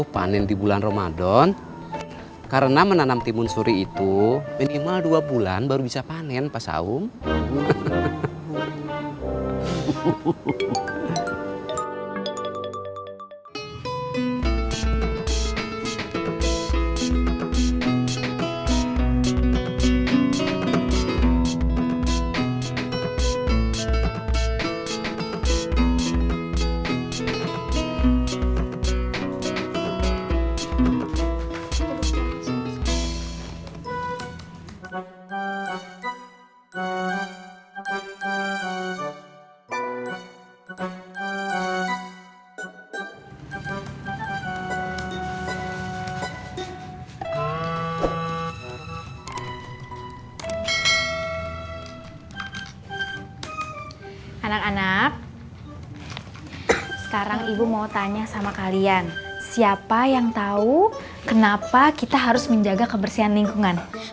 jadi kesimpulannya kita harus menjaga kebersihan lingkungan